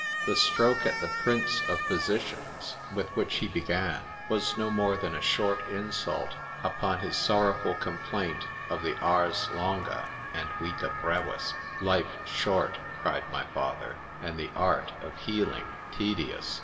The stroke at the prince of physicians, with which he began, was no more than a short insult upon his sorrowful complaint of the Ars longa,—and Vita brevis.——Life short, cried my father,—and the art of healing tedious!